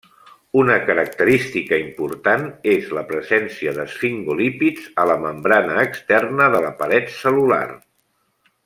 Una característica important és la presència d'esfingolípids a la membrana externa de la paret cel·lular.